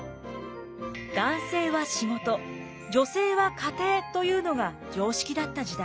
男性は仕事女性は家庭というのが常識だった時代。